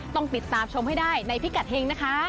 ต้องติดตามชมให้ได้ในพิกัดเฮงนะคะ